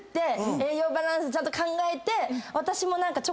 栄養バランスちゃんと考えて。